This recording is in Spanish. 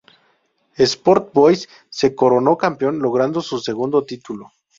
Sport Boys se coronó campeón logrando su segundo título.